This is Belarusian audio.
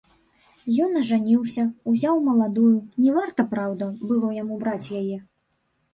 Ён ажаніўся, узяў маладую, не варта, праўда, было яму браць яе.